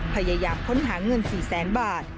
พยายามค้นหาเงิน๔๐๐๐๐๐บาท